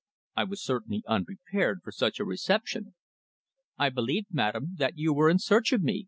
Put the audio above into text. I was certainly unprepared for such a reception. "I believed, madame, that you were in search of me?"